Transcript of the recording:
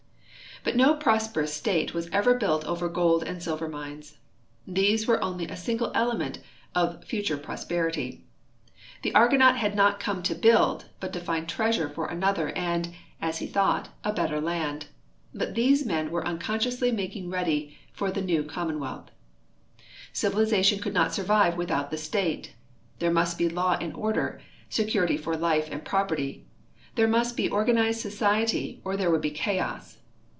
But no prosperous state Avas ever built over gold and silver mines. These Avere only a single element of future prosperity. The Argonaut had not come td build, but to find treasure for another and, as he thought, a better land ; but these men Avere unconsciously making ready for the neAV commonAvealth. Civili zation could not survive Avithout the state. There must be hiAV and order, security for life and }>roperty. There must be organ ized society, or there Avould be chaos.